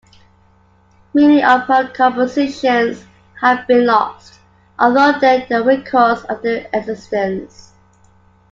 Many of her compositions have been lost, although there are records of their existence.